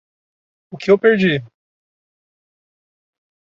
O que eu perdi?